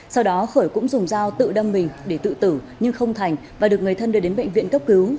sau đó khởi cũng dùng dao tự đâm mình để tự tử nhưng không thành và được người thân đưa đến bệnh viện cấp cứu